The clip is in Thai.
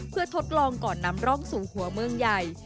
เพื่อทดลองก่อนนำร่องสู่หัวเมืองใหญ่